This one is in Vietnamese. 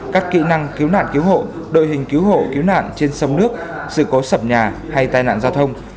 các kỹ năng cứu nạn cứu hộ đội hình cứu hộ cứu nạn trên sông nước sự cố sập nhà hay tai nạn giao thông